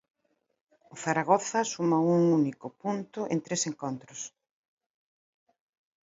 O Zaragoza suma un único punto en tres encontros.